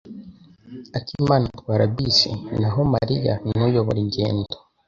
akimana atwara bisi naho Mariya nuyobora ingendo.